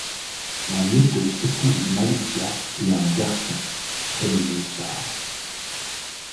Magnéto épouse Malicia et a un garçon, prénommé Charles.